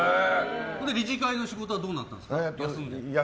理事会の仕事はどうなったんですか？